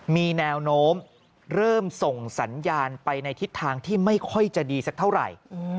มีแนวโน้มเริ่มส่งสัญญาณไปในทิศทางที่ไม่ค่อยจะดีสักเท่าไหร่